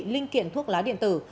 linh kiện thuốc lá điện tử